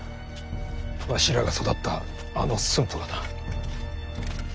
わしらが育ったあの駿府がな。